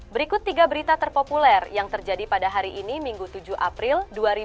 berikut tiga berita terpopuler yang terjadi pada hari ini minggu tujuh april dua ribu dua puluh